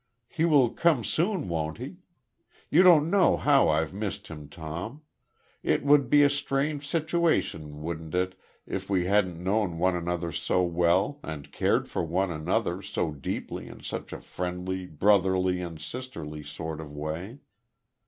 He will come soon, won't he? You don't know how I've missed him, Tom.... It would be a strange situation, wouldn't it, if we hadn't known one another so well, and cared for one another, so deeply in such a friendly, brother and sisterly sort of way....